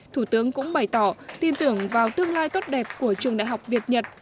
thủ tướng cũng bày tỏ tin tưởng vào tương lai tốt đẹp của trường đại học việt nhật